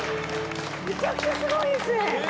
めちゃくちゃすごいですね！